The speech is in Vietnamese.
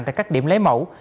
tại các điểm lấy mẫu